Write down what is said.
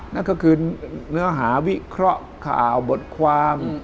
นั่นก็คือเนื้อหาวิเคราะห์ข่าวบทความ